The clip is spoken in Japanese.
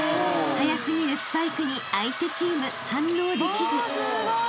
［速過ぎるスパイクに相手チーム反応できず］